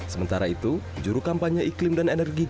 sementara itu juru kampanye iklim dan energi